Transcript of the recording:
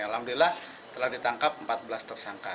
alhamdulillah telah ditangkap empat belas tersangka